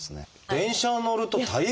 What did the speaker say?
電車に乗ると大変！